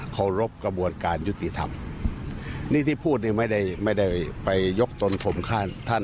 เคารพกระบวนการยุติธรรมนี่ที่พูดนี่ไม่ได้ไม่ได้ไปยกตนผมข้างท่าน